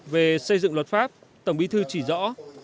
về xây dựng luật pháp tổng bí thư chỉ rõ